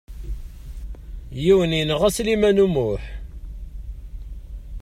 Yiwen yenɣa Sliman U Muḥ.